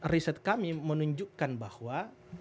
riset kami menunjukkan bahwa